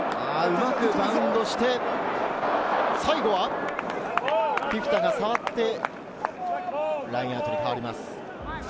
うまくバウンドして最後はフィフィタが触って、ラインアウトに変わります。